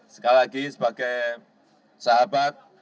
sekali lagi sebagai sahabat